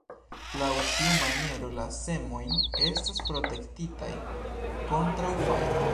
Laŭ tiu maniero, la semojn estas protektitaj kontraŭ fajro.